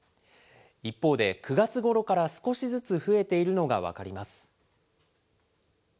一方で、９月ごろから少しずつ増えているのが分かります。